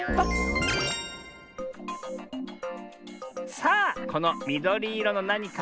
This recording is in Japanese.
さあこのみどりいろのなにか。